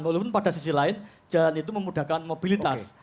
walaupun pada sisi lain jalan itu memudahkan mobilitas